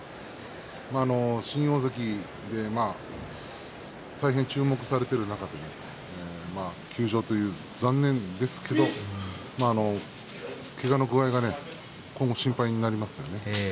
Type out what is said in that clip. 新大関、大変注目されている中で休場という残念ですけどけがの具合が心配になりますよね。